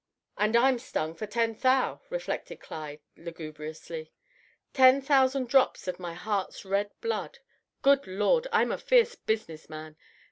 "And I'm stung for ten thou," reflected Clyde, lugubriously. "Ten thousand drops of my heart's red blood! Good Lord! I'm a fierce business man.